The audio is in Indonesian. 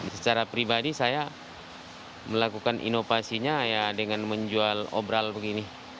secara pribadi saya melakukan inovasinya ya dengan menjual obral begini